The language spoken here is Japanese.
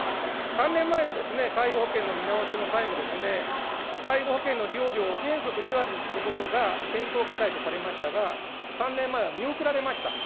３年前の介護保険の見直しの際も、介護保険の利用料を原則２割にすることが検討課題とされましたが、３年前は見送られました。